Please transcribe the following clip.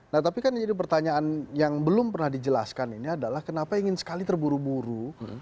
nah tapi kan yang jadi pertanyaan yang belum pernah dijelaskan ini adalah kenapa ingin sekali terburu buru